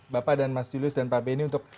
bapak dan mas julius dan pak benny untuk